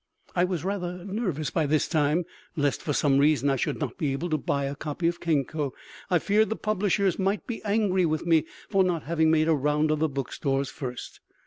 I was rather nervous by this time, lest for some reason I should not be able to buy a copy of Kenko. I feared the publishers might be angry with me for not having made a round of the bookstores first.